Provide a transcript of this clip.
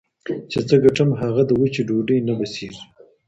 چي څه ګټم هغه د وچي ډوډۍ نه بسیږي